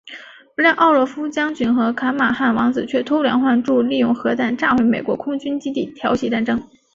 不料奥洛夫将军和卡马汉王子却偷梁换柱利用核弹炸毁美国空军基地挑起战争。